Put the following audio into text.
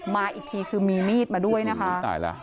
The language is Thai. มาอีกทีคือมีมีดมาด้วยนะคะ